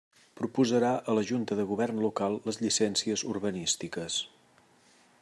Proposarà a la Junta de Govern Local les llicències urbanístiques.